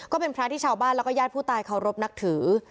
ก็เป็นพระที่ชาวบ้านแล้วก็ญาติผู้ตายเคารพนับถือ